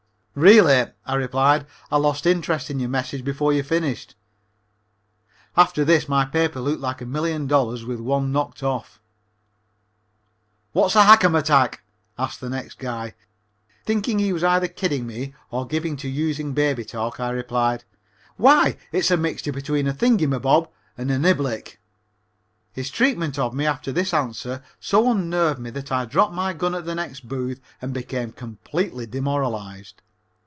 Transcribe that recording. "Really," I replied, "I lost interest in your message before you finished." After this my paper looked like a million dollars with the one knocked off. "What's a hackamatack?" asked the next guy. Thinking he was either kidding me or given to using baby talk, I replied: "Why, it's a mixture between a thingamabob and a nibleck." His treatment of me after this answer so unnerved me that I dropped my gun at the next booth and became completely demoralized.